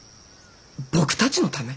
僕たちのため？